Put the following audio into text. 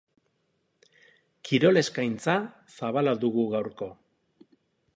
Kirol eskaintza zabala dugu gaurko.